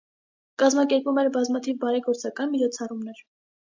Կազմակերպում էր բազմաթիվ բարեգործական միջոցառումներ։